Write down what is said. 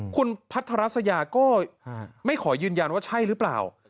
คุณพัทรัสยาก็ไม่ขอยืนยันว่าใช่หรือเปล่า